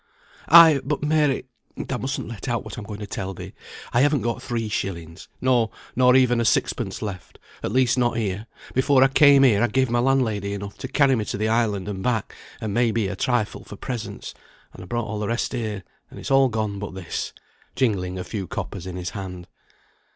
"Ay, but Mary! (thou mustn't let out what I'm going to tell thee) I haven't got three shillings, no, nor even a sixpence left, at least not here; before I came here I gave my landlady enough to carry me to the island and back, and may be a trifle for presents, and I brought all the rest here; and it's all gone but this," jingling a few coppers in his hand.